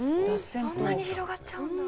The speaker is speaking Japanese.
そんなに広がっちゃうんだ。